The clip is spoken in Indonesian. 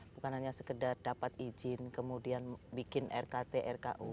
bukan hanya sekedar dapat izin kemudian bikin rkt rku